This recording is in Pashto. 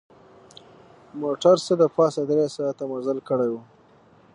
موټر څه د پاسه درې ساعته مزل کړی و.